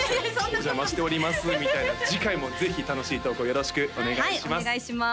「お邪魔しております」みたいな次回もぜひ楽しいトークをよろしくお願いします